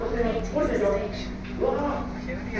下りていきます。